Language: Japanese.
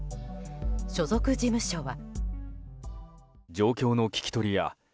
所属事務所は。